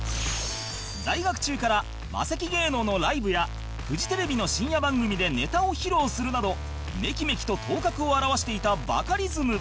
在学中からマセキ芸能のライブやフジテレビの深夜番組でネタを披露するなどメキメキと頭角を現していたバカリズム